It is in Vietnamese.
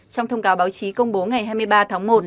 trong thông cáo báo chí công bố ngày hai mươi ba tháng một